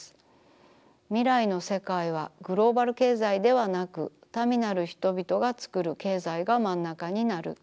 みらいの世界はグローバル経済ではなく民なる人びとがつくる経済がまんなかになる。